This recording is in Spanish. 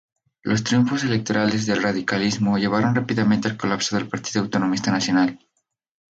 Los triunfos electorales del radicalismo llevaron rápidamente al colapso del Partido Autonomista Nacional.